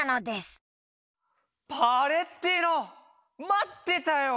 まってたよ！